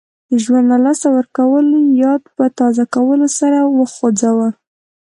د ژوند له لاسه ورکولو یاد په تازه کولو سر وخوځاوه.